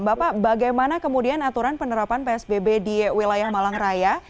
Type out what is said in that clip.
bapak bagaimana kemudian aturan penerapan psbb di wilayah malang raya